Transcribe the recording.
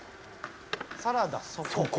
サラダそこ？